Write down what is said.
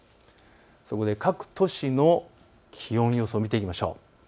そこで各都市の気温予想を見ていきましょう。